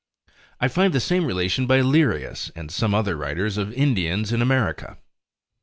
I find the same relation by Lerius, and some other writers, of Indians in America.